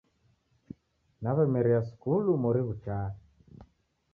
Naw'emeria skulu mori ghuchaa